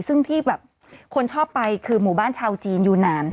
ซึ่งที่แบบคนชอบไปคือหมู่บ้านชาวจีนอยู่นาน